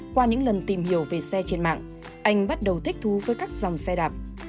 qua những lần tìm hiểu về xe trên mạng anh bắt đầu thích thú với các dòng xe đạp